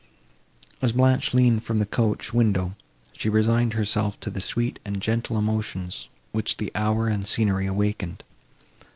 As Blanche leaned from the coach window, she resigned herself to the sweet and gentle emotions, which the hour and the scenery awakened.